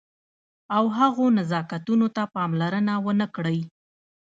او هغو نزاکتونو ته پاملرنه ونه کړئ.